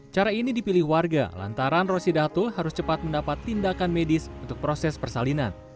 cara ini dipilih warga lantaran rosidatul harus cepat mendapat tindakan medis untuk proses persalinan